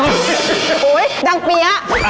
โอ้โหดังเปี๊ยะ